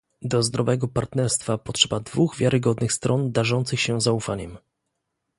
Do zdrowego partnerstwa potrzeba dwóch wiarygodnych stron darzących się zaufaniem